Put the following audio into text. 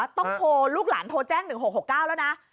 ต้องโทรลูกหลานโทรแจ้ง๑๖๖๙แล้วนะ